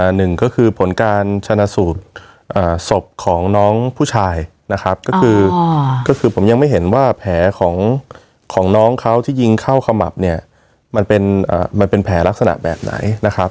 หนึ่งก็คือผลการชนะสูตรศพของน้องผู้ชายนะครับก็คือก็คือผมยังไม่เห็นว่าแผลของน้องเขาที่ยิงเข้าขมับเนี่ยมันเป็นมันเป็นแผลลักษณะแบบไหนนะครับ